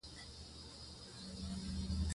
ازادي راډیو د امنیت د ارتقا لپاره نظرونه راټول کړي.